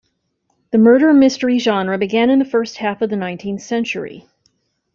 The murder mystery genre began in the first half of the nineteenth century.